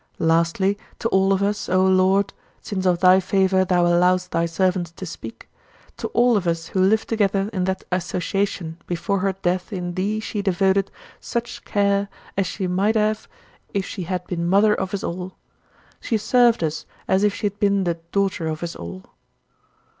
Lastly, to all of us, O Lord since of thy favor thou allowest thy servants to speak to all of us who lived together in that association before her death in thee she devoted such care as she might have if she had been mother of us all; she served us as if she had been the daughter of us all.